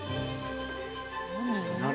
「何？」